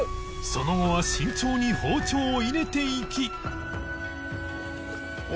その後は慎重に包丁を入れていき